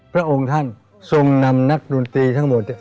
พระองค์ท่านทรงนำนักดนตรีทั้งหมด